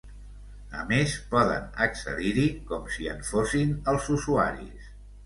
A més, poden accedir-hi com si en fossin els usuaris.